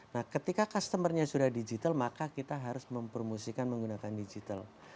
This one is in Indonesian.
nah ketika customer nya sudah digital maka kita harus mempromosikan menggunakan digital